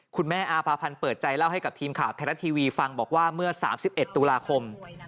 อาภาพันธ์เปิดใจเล่าให้กับทีมข่าวไทยรัฐทีวีฟังบอกว่าเมื่อ๓๑ตุลาคม